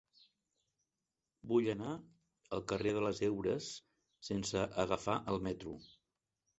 Vull anar al carrer de les Heures sense agafar el metro.